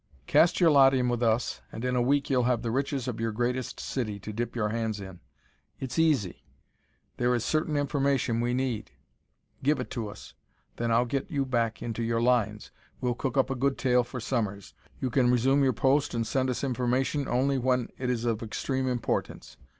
Cast your lot in with us, and in a week you'll have the riches of your greatest city to dip your hands in. It's easy. There is certain information we need. Give it to us. Then I'll get you back into your lines: we'll cook up a good tale for Sommers. You can resume your post and send us information only when it is of extreme importance.